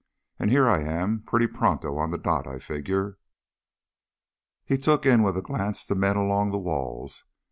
And here I am, pretty pronto on the dot, I figure." He took in with a glance the men along the walls.